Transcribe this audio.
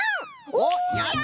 おっやった！